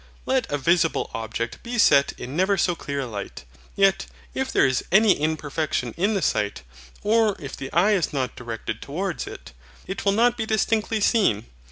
Let a visible object be set in never so clear a light, yet, if there is any imperfection in the sight, or if the eye is not directed towards it, it will not be distinctly seen.